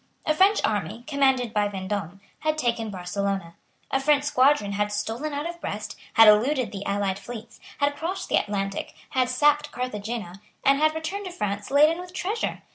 A French army, commanded by Vendome, had taken Barcelona. A French squadron had stolen out of Brest, had eluded the allied fleets, had crossed the Atlantic, had sacked Carthagena, and had returned to France laden with treasure.